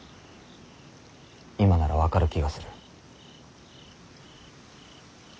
今なら分かる気がする。